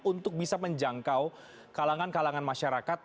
untuk bisa menjangkau kalangan kalangan masyarakat